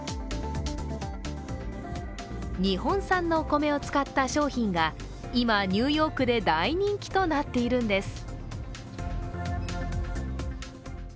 日本産のお米を使った商品が今、ニューヨークで大人気となっているんです。